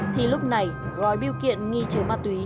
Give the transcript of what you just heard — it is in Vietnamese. thì lúc này gói biêu kiện nghi chứa ma túy